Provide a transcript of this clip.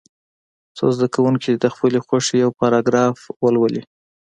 څو زده کوونکي دې د خپلې خوښې یو پاراګراف ولولي.